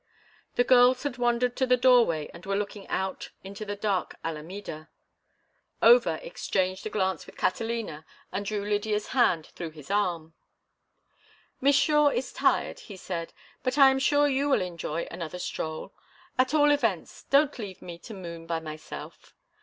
The girls had wandered to the doorway and were looking out into the dark Alameda. Over exchanged a glance with Catalina and drew Lydia's hand through his arm. "Miss Shore is tired," he said, "but I am sure you will enjoy another stroll. At all events don't leave me to moon by myself."